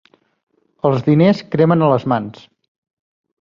Els diners cremen a les mans.